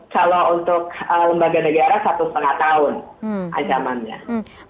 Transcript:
kalau untuk lembaga negara satu lima tahun ancamannya